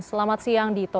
selamat siang dito